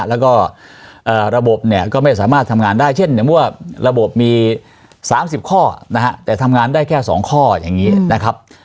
แล้วก็ระบบเนี่ยก็ไม่สามารถทำงานได้เช่นอย่างเมื่อระบบมี๓๐ข้อนะฮะแต่ทำงานได้แค่๒ข้ออย่างนี้นะครับ